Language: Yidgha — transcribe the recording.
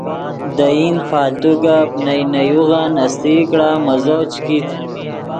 دے ایند فالتو گپ نئے نے یوغن استئی کڑا مزو چے کیت